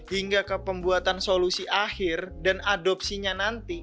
hingga ke pembuatan solusi akhir dan adopsinya nanti